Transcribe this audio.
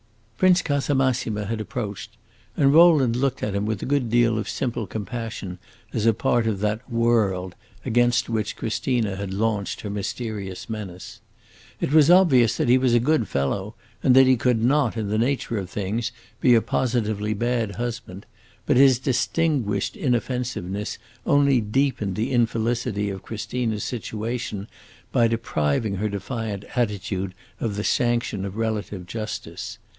Prince Casamassima had approached, and Rowland looked at him with a good deal of simple compassion as a part of that "world" against which Christina had launched her mysterious menace. It was obvious that he was a good fellow, and that he could not, in the nature of things, be a positively bad husband; but his distinguished inoffensiveness only deepened the infelicity of Christina's situation by depriving her defiant attitude of the sanction of relative justice.